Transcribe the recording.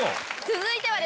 続いては。